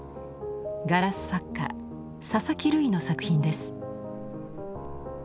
ガラス作家佐々木類の作品です。